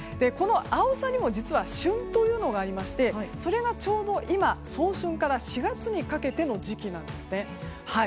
このアオサにも旬というのがありましてそれがちょうど早春から４月にかけての時期なんですね。